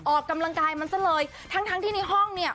ออกกำลังกายมันซะเลยทั้งทั้งที่ในห้องเนี่ย